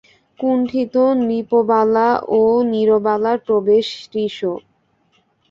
কুণ্ঠিত নৃপবালা ও নীরবালার প্রবেশ শ্রীশ।